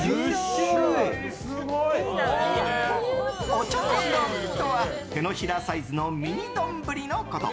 おちょこ丼とは手のひらサイズのミニ丼のこと。